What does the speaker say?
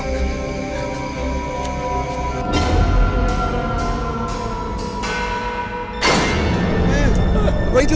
eh apa itu